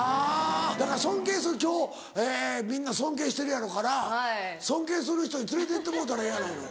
だから尊敬する今日みんな尊敬してるやろうから尊敬する人に連れてってもろうたらええやないの。